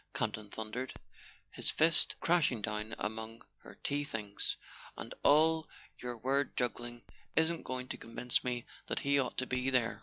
Campton thundered, his fist crashing down among her tea things; "and all your word juggling isn't going to convince me that he ought to be there."